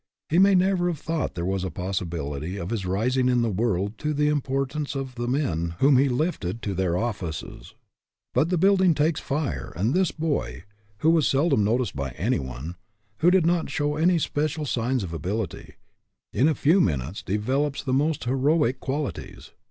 He may never have thought there was a possi bility of his rising in the world to the import ance of the men whom he lifted to their offices ; but the building takes fire and this boy, who was seldom noticed by anyone, who did not show any special signs of ability, in a few minutes develops the most heroic qualities.